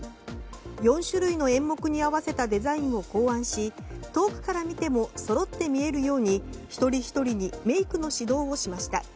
４種類の演目に合わせたデザインを考案し遠くから見てもそろって見えるように一人ひとりにメイクの指導をしました。